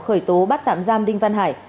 khởi tố bắt tạm giam đinh văn hải